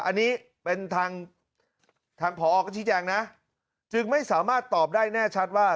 อันนี้เป็นทางทางผอก็ชี้แจงนะจึงไม่สามารถตอบได้แน่ชัดว่า